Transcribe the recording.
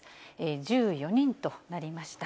１４人となりました。